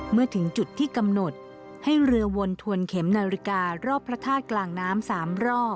เมื่อถึงจุดที่กำหนดให้เรือวนทวนเข็มนาฬิการอบพระธาตุกลางน้ำ๓รอบ